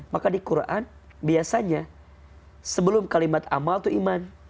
maka di quran biasanya sebelum kalimat amal itu iman